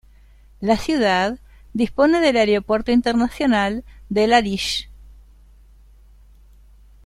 La ciudad dispone del aeropuerto internacional del El Arish.